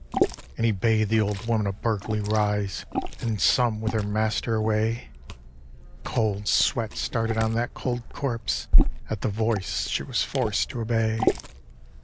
And he bade the Old Woman of Berkeley rise, And some with her Master away; A cold sweat started on that cold corpse, At the voice she was forced to obey.